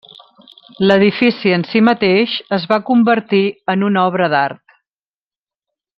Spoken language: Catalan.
L'edifici en si mateix es va convertir en una obra d'art.